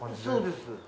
そうです。